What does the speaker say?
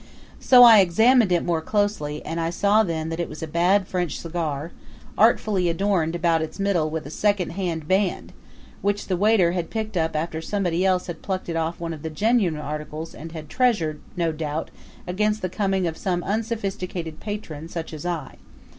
So I examined it more closely and I saw then that it was a bad French cigar, artfully adorned about its middle with a second hand band, which the waiter had picked up after somebody else had plucked it off one of the genuine articles and had treasured it, no doubt, against the coming of some unsophisticated patron such as I.